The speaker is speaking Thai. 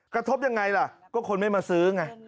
กระทบยังไงล่ะก็คนไม่มาซื้อไง